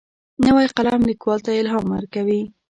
نوی قلم لیکوال ته الهام ورکوي